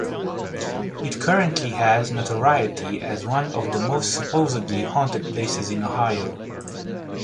It currently has notoriety as one of the most supposedly haunted places in Ohio.